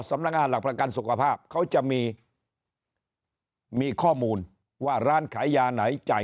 สำนักงานหลักประกันสุขภาพเขาจะมีมีข้อมูลว่าร้านขายยาไหนจ่าย